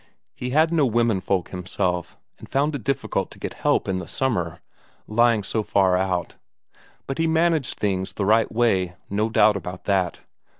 He had no womenfolk himself, and found it difficult to get help in the summer, lying so far out, but he managed things the right way, no doubt about that.